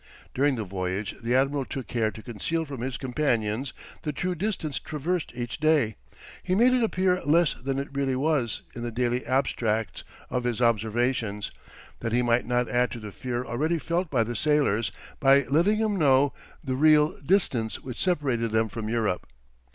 During the voyage the admiral took care to conceal from his companions the true distance traversed each day; he made it appear less than it really was in the daily abstracts of his observations, that he might not add to the fear already felt by the sailors, by letting them know the real distance which separated them from Europe.